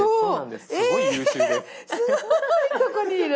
すごいとこにいる！